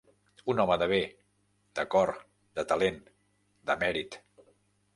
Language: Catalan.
Un home de bé, de cor, de talent, de mèrit.